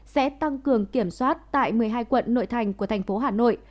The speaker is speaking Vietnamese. sẽ tăng cường kiểm soát tại một mươi hai quận nội thành của tp hà nội